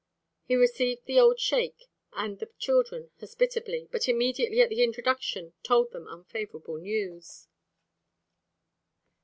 He received the old sheik and the children hospitably, but immediately at the introduction told them unfavorable news.